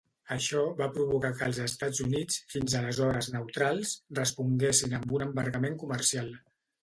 Això va provocar que els Estats Units, fins aleshores neutrals, responguessin amb un embargament comercial.